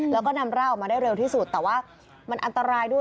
แล้วก็นำร่างออกมาได้เร็วที่สุดแต่ว่ามันอันตรายด้วย